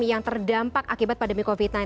yang terdampak akibat pandemi covid sembilan belas